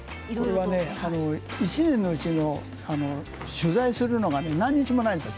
僕はね、１年のうちの取材するのが何日もないんですよ